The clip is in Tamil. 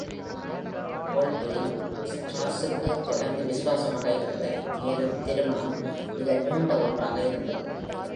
Poldi, Strauss-க்குத் தொடர்ந்து விசுவாசமாக இருக்கிறார், மேலும் திருமணம் மீக நீண்ட ஒன்றாக இருந்தது.